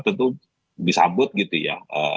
tentu disambut gitu ya